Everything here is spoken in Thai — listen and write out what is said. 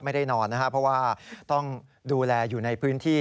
ไม่ได้นอนนะครับเพราะว่าต้องดูแลอยู่ในพื้นที่